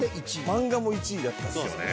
漫画も１位だったんですよね。